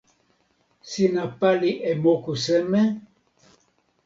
sina pali e moku seme?